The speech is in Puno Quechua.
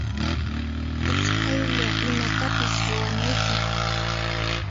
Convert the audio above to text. Usqaylla imatapis ruwanayki.